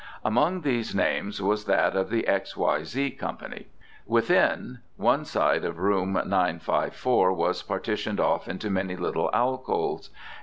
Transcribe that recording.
Among these names was that of the X. Y. Z. Co. Within, one side of Room 954 was partitioned off into many little alcoves.